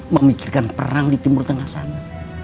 memikirkan perang di timur tengah sana